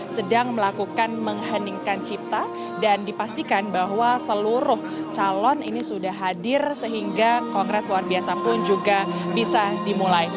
sedang melakukan mengheningkan cipta dan dipastikan bahwa seluruh calon ini sudah hadir sehingga kongres luar biasa pun juga bisa dimulai